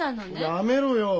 やめろよ。